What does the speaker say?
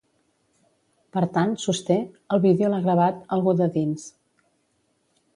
Per tant, sosté, el vídeo l’ha gravat ‘algú de dins’.